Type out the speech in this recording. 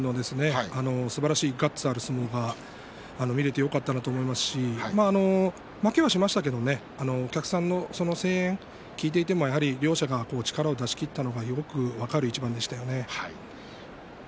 富士のすばらしいガッツある相撲が見られてよかったなと思いますし負けはしましたけれどもお客さんの声援を聞いていても両者は力を出し切ったのがよく分かる一番でした。